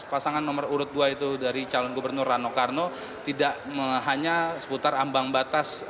pasangan nomor urut dua itu dari calon gubernur rano karno tidak hanya seputar ambang batas